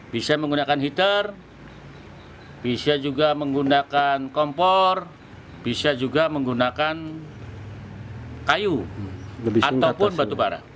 bisa menggunakan heater bisa juga menggunakan kompor bisa juga menggunakan kayu ataupun batu bara